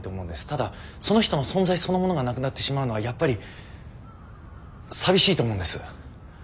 ただその人の存在そのものがなくなってしまうのはやっぱり寂しいと思うんです。